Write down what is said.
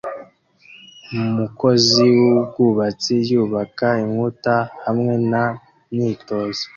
Umukozi wubwubatsi yubaka inkuta hamwe na myitozo